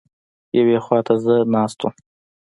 یوې خوا ته زه ناست وم.